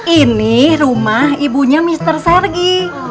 ini rumah ibunya mr sergi